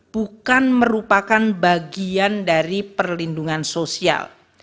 bukan merupakan bagian dari perlindungan sosial